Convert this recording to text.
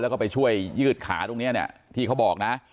แล้วก็ไปช่วยยืดขาตรงนี้เนี่ยที่เขาบอกนะ